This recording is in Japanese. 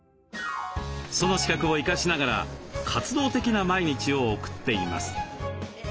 その資格を生かしながら活動的な毎日を送っています。